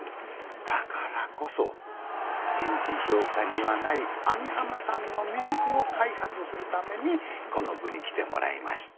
だからこそ人事評価にはない網浜さんの魅力を開発するためにこの部に来てもらいました。